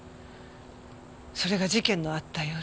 それが事件のあった夜。